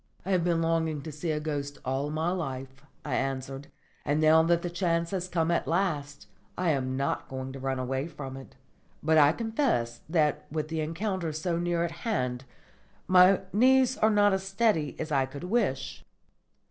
"I have been longing to see a ghost all my life," I answered; "and now that the chance has come at last, I am not going to run away from it. But I confess that with the encounter so near at hand my knees are not as steady as I could wish."